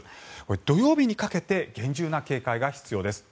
土曜日にかけて厳重な警戒が必要です。